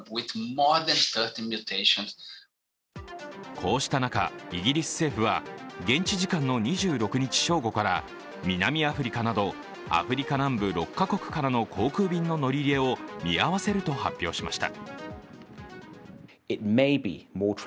こうした中、イギリス政府は現地時間の２６日正午から南アフリカなどアフリカ南部６カ国からの航空便の乗り入れを見合わせると発表しました。